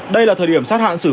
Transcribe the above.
đây là thời điểm sát hạng sử vụ